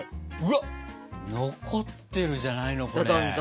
わっ残ってるじゃないのこれ。